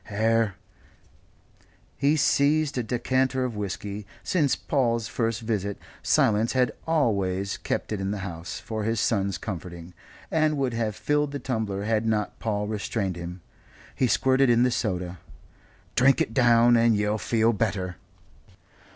'Ere." He seized a decanter of whisky since Paul's first visit, Silas had always kept it in the house for his son's comforting and would have filled the tumbler had not Paul restrained him. He squirted in the soda. "Drink it down and you'll feel better."